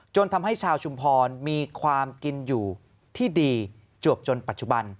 ทำให้ชาวชุมพรมีความกินอยู่ที่ดีจวบจนปัจจุบัน